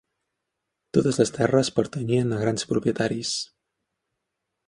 Totes les terres pertanyien a grans propietaris.